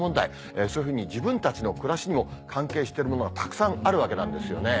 そういうふうに自分たちの暮らしにも関係してるものがたくさんあるわけなんですよね。